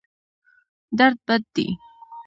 درد بد دی.